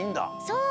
そう。